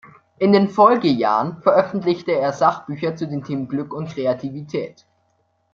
In den Folgejahren veröffentlichte er Sachbücher zu den Themen Glück und Kreativität.